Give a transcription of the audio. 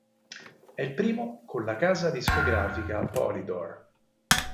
È il primo con la casa discografica Polydor.